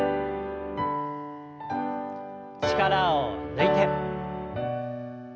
力を抜いて。